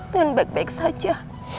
dan baik baik saja